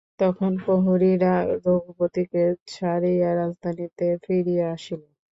তখন প্রহরীরা রঘুপতিকে ছাড়িয়া রাজধানীতে ফিরিয়া আসিল।